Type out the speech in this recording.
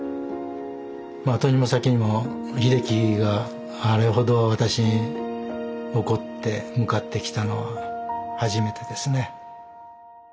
後にも先にも秀樹があれほど私に怒って向かってきたのは初めてですね。